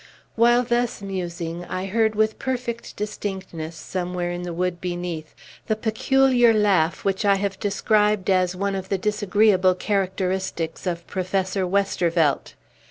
While thus musing, I heard with perfect distinctness, somewhere in the wood beneath, the peculiar laugh which I have described as one of the disagreeable characteristics of Professor Westervelt.